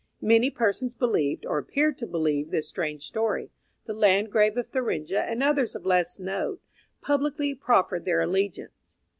Many persons believed, or appeared to believe, this strange story. The Landgrave of Thuringia, and others of less note, publicly proffered their allegiance.